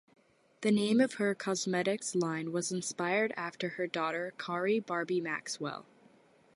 The name of her cosmetics line was inspired after her daughter Khari Barbie Maxwell.